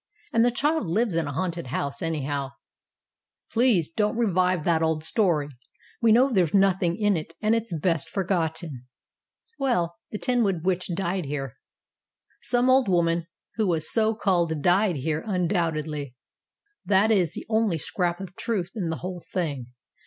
And the child lives in a haunted house, anyhow." ."Please don't revive that old story; we know that there's nothing in it, and it's best forgotten." "Well, the Tenwood Witch died here," 244 STORIES WITHOUT TEARS "Some old woman who was so called died here undoubtedly. That is the only scrap of truth in the whole thing.